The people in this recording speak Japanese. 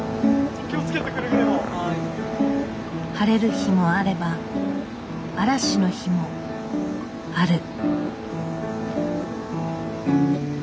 晴れる日もあれば嵐の日もある。